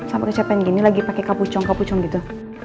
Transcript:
aku udah capek begini lagi pake kapucong kapucong gitu